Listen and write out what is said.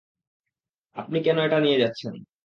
আপনি কেন এটা দিয়ে যাচ্ছেন?